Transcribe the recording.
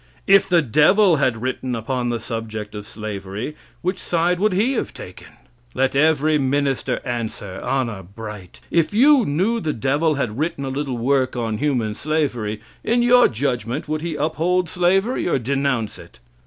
If the devil had written upon the subject of slavery, which side would he have taken? Let every minister answer, honor bright. If you knew the devil had written a little work on human slavery, in your judgment would he uphold slavery or denounce it?